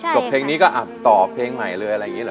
เพลงนี้ก็อับต่อเพลงใหม่เลยอะไรอย่างนี้เหรอ